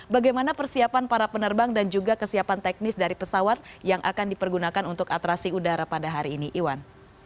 bagaimana persiapan para penerbang dan juga kesiapan teknis dari pesawat yang akan dipergunakan untuk atrasi udara pada hari ini iwan